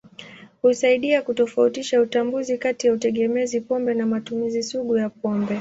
Husaidia kutofautisha utambuzi kati ya utegemezi pombe na matumizi sugu ya pombe.